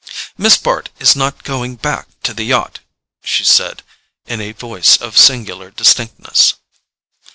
"Miss Bart is not going back to the yacht," she said in a voice of singular distinctness.